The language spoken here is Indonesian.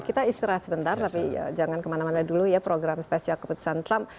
kita istirahat sebentar tapi jangan kemana mana dulu ya program spesial keputusan trump